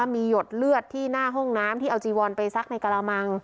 มีหยดเลือดที่หน้าห้องน้ำที่เอาจีวอนไปซักในกระมัง